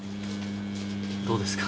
どうですか？